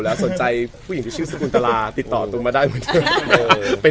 เราก็ให้ผู้ยงว่าแบบมันไปแย่งแฟนอัดดอกหรือเปล่าอะไรแบบนี้ค่ะพี่